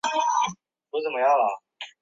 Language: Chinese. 隋朝开皇初年废。